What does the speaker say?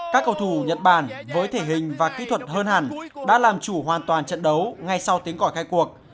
các cầu thủ nhật bản với thể hình và kỹ thuật hơn hẳn đã làm chủ hoàn toàn trận đấu ngay sau tiếng còi khai cuộc